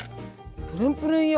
プルンプルンよ。